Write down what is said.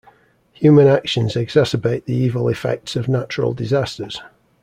Human actions exacerbate the evil effects of natural disasters.